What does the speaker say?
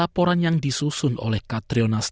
untuk menangani ekstremisme dan rekrutasi